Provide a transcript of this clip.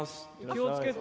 気を付けて！